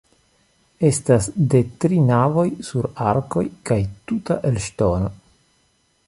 Estas de tri navoj sur arkoj kaj tuta el ŝtono.